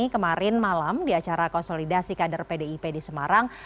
kemarin malam di acara konsolidasi kader pdip di semarang